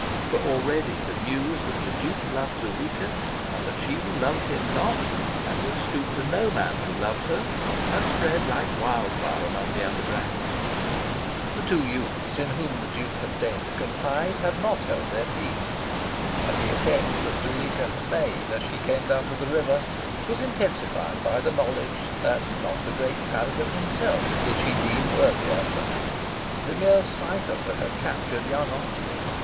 For already the news that the Duke loved Zuleika, and that she loved him not, and would stoop to no man who loved her, had spread like wild fire among the undergraduates. The two youths in whom the Duke had deigned to confide had not held their peace. And the effect that Zuleika had made as she came down to the river was intensified by the knowledge that not the great paragon himself did she deem worthy of her. The mere sight of her had captured young Oxford.